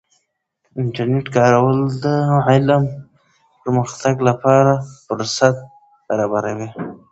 د انټرنیټ کارول د علم د پراختیا لپاره فرصتونه برابروي.